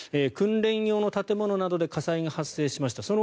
訓練用の建物などで火災が発生しました。